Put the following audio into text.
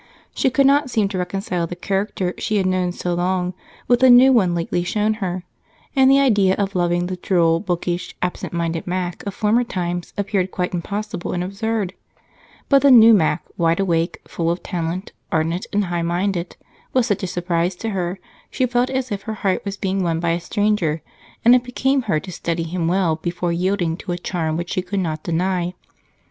She could not seem to reconcile the character she had known so long with the new one lately shown her, and the idea of loving the droll, bookish, absentminded Mac of former times appeared quite impossible and absurd, but the new Mac, wide awake, full of talent, ardent and high handed, was such a surprise to her, she felt as if her heart was being won by a stranger, and it became her to study him well before yielding to a charm which she could not deny.